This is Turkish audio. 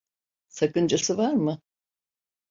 Sakıncası var mı?